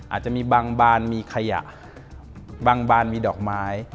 อาจจะมีบางบานมีขยะบางบานมีดอกไม้